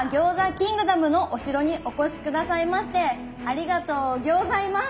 キングダムのお城にお越し下さいましてありがとうギョーザいます。